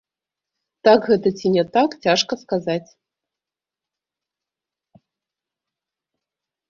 Так гэта ці не так, цяжка сказаць.